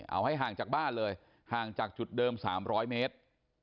เอาให้ห่างจากบ้านเลยห่างจากจุดเดิม๓๐๐เมตร